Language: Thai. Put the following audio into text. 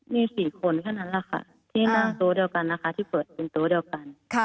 มี๔คนแค่นั้นแหละค่ะที่นั่งโต๊ะเดียวกันนะคะที่เปิดเป็นโต๊ะเดียวกัน